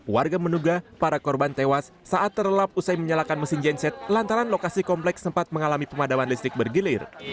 warga menuga para korban tewas saat terlelap usai menyalakan mesin genset lantaran lokasi kompleks sempat mengalami pemadaman listrik bergilir